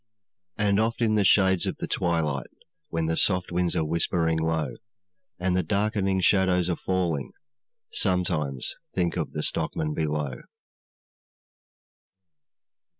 'And oft in the shades of the twilight, When the soft winds are whispering low, And the darkening shadows are falling, Sometimes think of the stockman below.'